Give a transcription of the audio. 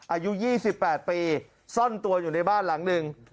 อายุ๒๘ปีซ่อนตัวอยู่ในบ้านหลังหนึ่ง